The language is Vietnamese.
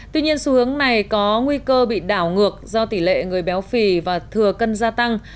tuy nhiên xu hướng này có nguy cơ bị đảo ngược do tỷ lệ người béo phì và thừa cân gia tăng